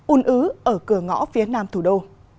un ứ ở cửa ngõ phía nam thủ đô